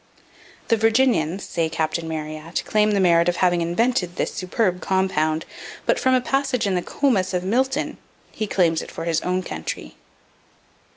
The Virginians, say Captain Marryat, claim the merit of having invented this superb compound; but, from a passage in the "Comus" of Milton, he claims it for his own country.